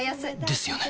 ですよね